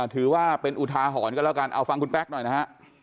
ถือว่าเป็นอุทาหรณ์กันแล้วกันเอาฟังคุณแป๊กหน่อยนะฮะ